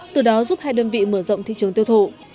từ đó giúp hai đơn vị mở rộng thị trường tiêu thụ